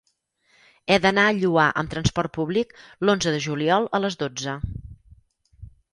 He d'anar al Lloar amb trasport públic l'onze de juliol a les dotze.